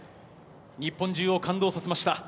日本中を感動させました。